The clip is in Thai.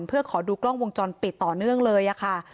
เพื่อขอดูกล้องวงจรปิดต่อเนื่องเลยค่ะ